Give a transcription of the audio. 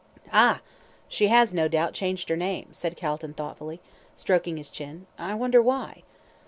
"Ah! she has, no doubt, changed her name," said Calton, thoughtfully, stroking his chin. "I wonder why?"